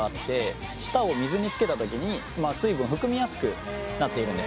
舌を水につけた時に水分を含みやすくなっているんですね。